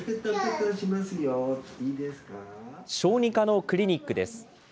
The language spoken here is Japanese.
小児科のクリニックです。